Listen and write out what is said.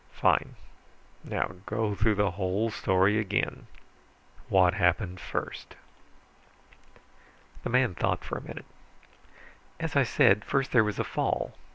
"Fine. Now go through the whole story again. What happened first?" The man thought for a minute. "As I said, first there was a fall.